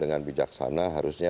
dengan bijaksana harusnya